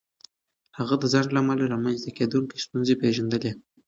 هغه د ځنډ له امله رامنځته کېدونکې ستونزې پېژندلې.